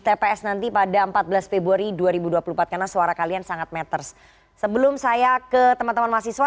tps nanti pada empat belas februari dua ribu dua puluh empat karena suara kalian sangat matters sebelum saya ke teman teman mahasiswa